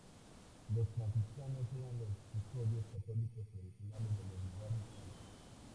Los franciscanos eran los custodios católicos tradicionales de los lugares santos.